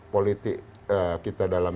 politik kita dalam